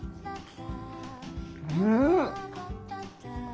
うん。